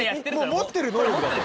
もう持ってる能力だと。